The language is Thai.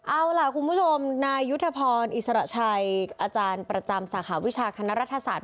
เอาล่ะคุณผู้ชมนายยุทธพรอิสระชัยอาจารย์ประจำสาขาวิชาคณะรัฐศาสต